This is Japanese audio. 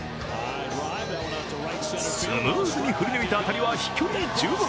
スムーズに振り抜いた当たりは飛距離十分。